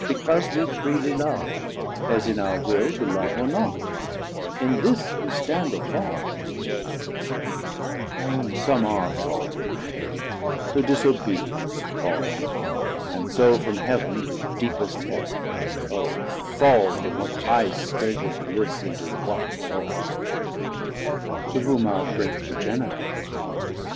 Because wee freely love, as in our will To love or not; in this we stand or fall: 540 And som are fall'n, to disobedience fall'n, And so from Heav'n to deepest Hell; O fall From what high state of bliss into what woe! To whom our great Progenitor.